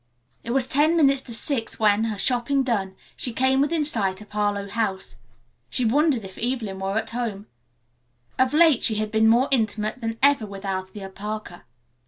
It was ten minutes to six when, her shopping done, she came within sight of Harlowe House. She wondered if Evelyn were at home. Of late she had been more intimate than ever with Althea Parker.